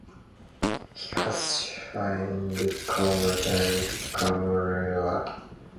He has since recovered and become a restaurateur.